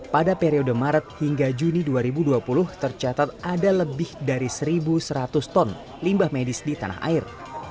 pada periode maret hingga juni dua ribu dua puluh tercatat ada lebih dari satu seratus ton limbah medis di tanah air